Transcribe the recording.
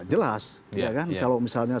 jelas kalau misalnya